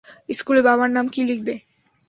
স্কুলে বাবার নাম কী লিখবে?